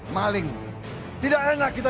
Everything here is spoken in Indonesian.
maling tidak enak kita